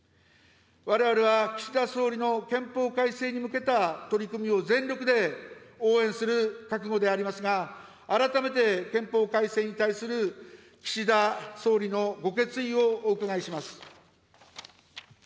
われわれは岸田総理の憲法改正に向けた取り組みを全力で応援する覚悟でありますが、改めて憲法改正に対する岸田総理のご決意をお伺いします。